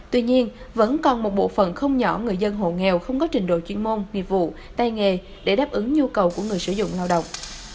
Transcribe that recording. tuy nhiên vẫn còn một bộ phận không nhỏ người dân hộ nghèo không có trình độ chuyên môn nghiệp vụ tay nghề để đáp ứng nhu cầu của người sử dụng lao động